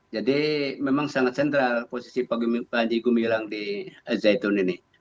jadi memang sangat sentral posisi panji gumilang di zaitun ini